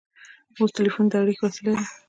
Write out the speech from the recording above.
اوس ټیلیفون د اړیکې وسیله ده.